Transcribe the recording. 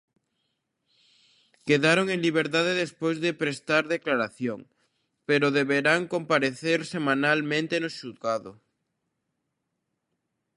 Quedaron en liberdade despois de prestar declaración, pero deberán comparecer semanalmente no xulgado.